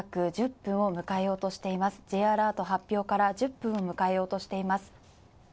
Ｊアラート発表から間もなく１０分を迎えようとしています。